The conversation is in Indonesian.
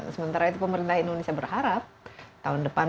sementara itu pemerintah indonesia berharap tahun depan